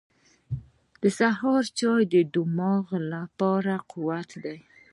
• د سهار چای د دماغ لپاره قوت دی.